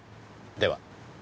では。